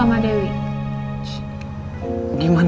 nanti nanti akan merasakan